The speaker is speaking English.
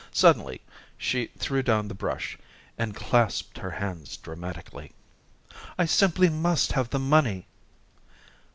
Suddenly, she threw down the brush, and clasped her hands dramatically. "I simply must have the money."